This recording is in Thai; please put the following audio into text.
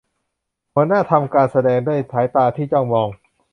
หัวหน้าทำการแสดงด้วยสายตาที่จ้องมอง